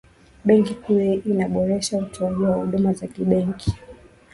benki kuu inaboresha utoaji wa huduma za kibenki